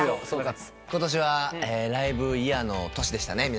ことしはライブイヤーの年でしたね皆さん。